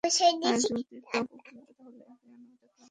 আর যদি তা গোপন করি তাহলে আমি আমানতের খেয়ানত করলাম।